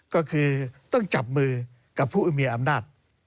ก็คือต้องจับมือกับผู้มีอำนาจ